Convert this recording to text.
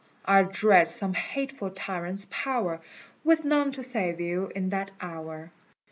I dread some hateful tyrant's power, With none to save you in that hour."